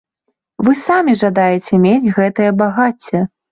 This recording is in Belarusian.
Вы самі жадаеце мець гэтае багацце.